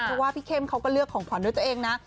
เพราะว่าพี่เข้มเขาก็เลือกของขวัญด้วยตัวเองนะ